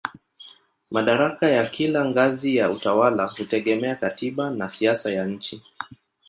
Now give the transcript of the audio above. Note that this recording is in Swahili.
Madaraka ya kila ngazi ya utawala hutegemea katiba na siasa ya nchi.